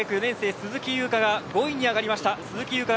鈴木優花が５位に上がりました。